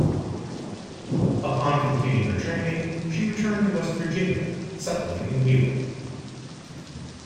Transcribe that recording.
Upon completing her training, she returned to West Virginia, settling in Wheeling.